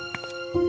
oh papan catur